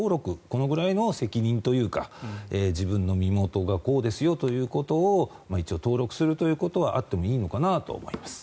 これぐらいの責任というか自分の身元がこうですよということを一応登録することはあってもいいのかなと思います。